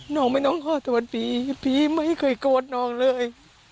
น้องไม่ต้องขอสวัสดีพี่ไม่เคยโกรธน้องเลย